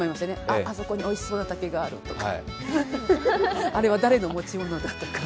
あ、あそこにおいしそうな竹があるとかあれは誰の持ち物だ？とか。